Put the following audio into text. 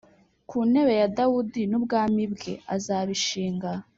ku ntebe ya dawudi n’ubwami bwe; azabishinga